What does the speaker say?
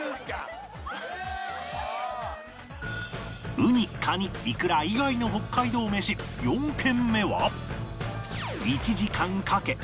ウニ・カニ・いくら以外の北海道メシ４軒目は